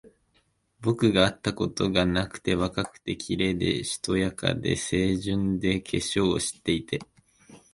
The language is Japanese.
僕があったことがなくて、若くて、綺麗で、しとやかで、清純で、化粧を知っていて、